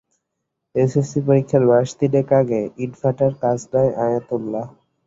SSC পরীক্ষার মাস তিনেক আগে ইটভাটার কাজ নেয় আয়াতুল্লাহ।